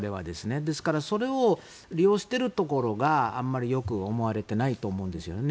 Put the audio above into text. ですから、それを利用しているところがあまりよく思われていないと思うんですよね。